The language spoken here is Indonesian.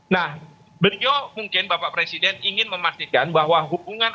nah beliau mungkin bapak presiden ingin memastikan bahwa hubungan